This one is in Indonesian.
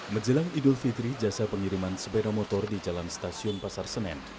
menjelang idul fitri jasa pengiriman sepeda motor di jalan stasiun pasar senen